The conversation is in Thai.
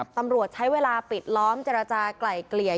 ตำรวจใช้เวลาปิดล้อมเจรจากลายเกลี่ย